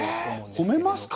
え褒めますか？